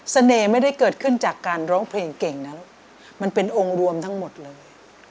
ไม่ได้เกิดขึ้นจากการร้องเพลงเก่งนะลูกมันเป็นองค์รวมทั้งหมดเลย